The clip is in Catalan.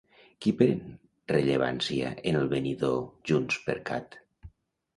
Qui pren rellevància en el venidor JxCat?